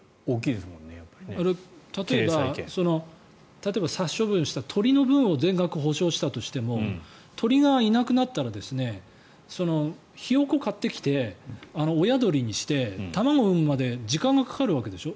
例えば殺処分した鳥の分を全額補償したとしても鳥がいなくなったらヒヨコを買ってきて親鳥にして、卵を産むまで時間がかかるわけでしょ。